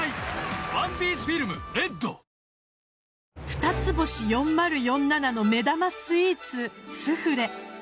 ふたつ星４０４７の目玉スイーツスフレ。